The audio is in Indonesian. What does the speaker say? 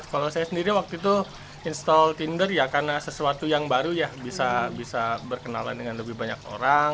kalau saya sendiri waktu itu install tinder ya karena sesuatu yang baru ya bisa berkenalan dengan lebih banyak orang